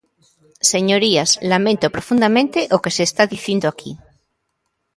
Señorías, lamento profundamente o que se está dicindo aquí.